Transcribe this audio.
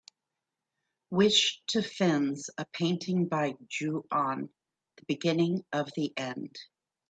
Wish to fins a painting by Ju-On: The Beginning of the End